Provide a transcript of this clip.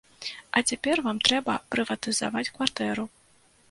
А цяпер вам трэба прыватызаваць кватэру.